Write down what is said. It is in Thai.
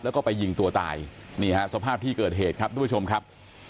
แล้วก็ไปยิงตัวตายนี่ฮะสภาพที่เกิดเหตุครับทุกผู้ชมครับ